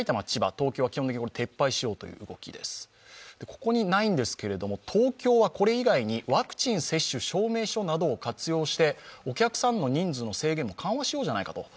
ここにないのですけれども、東京はこれ以外にワクチン接種証明書などを活用して、お客さんの人数の制限も緩和しようじゃないかと。